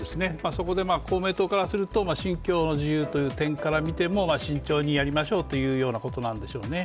そこで公明党からすると信教の自由の点から見ても慎重にやりましょうというようなことなんでしょうね。